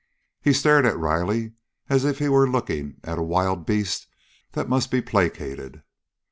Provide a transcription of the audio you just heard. He stared at Riley as if he were looking at a wild beast that must be placated.